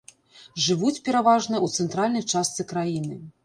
Жывуць пераважна ў цэнтральнай частцы краіны.